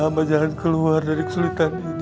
dilah sama jangan keluar dari kesulitan ini ya allah